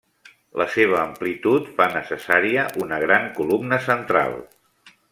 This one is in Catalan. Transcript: La seva amplitud fa necessària una gran columna central.